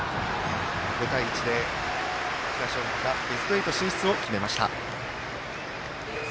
５対１で沖縄尚学がベスト８進出を決めました。